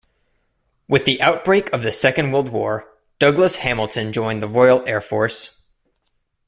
With the outbreak of the Second World War, Douglas-Hamilton joined the Royal Air Force.